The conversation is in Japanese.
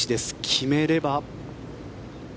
決めれば。